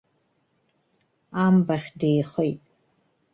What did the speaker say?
Амбахь деихеит.